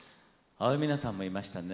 青江三奈さんもいましたね。